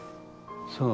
そう。